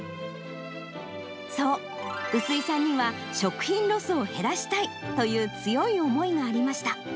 そう、薄井さんには食品ロスを減らしたいという強い思いがありました。